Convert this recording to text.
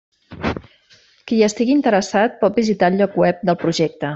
Qui hi estigui interessat, pot visitar el lloc web del projecte.